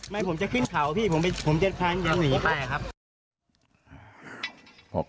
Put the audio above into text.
ไม่ผมจะขึ้นเขาพี่ผมไปผมจะพังอย่างหนีไปครับ